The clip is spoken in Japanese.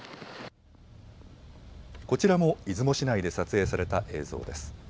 こちらも出雲市内で撮影された映像です。